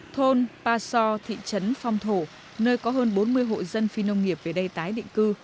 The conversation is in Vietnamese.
thôn pa so thị trấn phong thổ nơi có hơn bốn mươi hộ dân phi nông nghiệp về đây tái định cư